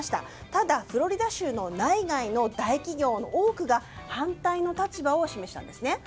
ただ、フロリダ州の内外の大企業の多くが反対の立場を示したんですね。